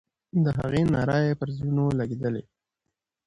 د هغې ناره پر زړونو لګېدله.